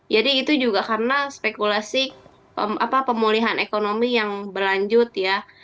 jadi itu juga karena spekulasi pemulihan ekonomi yang berlanjut ya